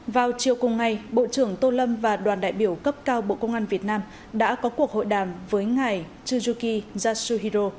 vào chiều cùng ngày bộ trưởng tô lâm và đoàn đại biểu cấp cao bộ công an việt nam đã có cuộc hội đàm với ngài chujuki yashihiro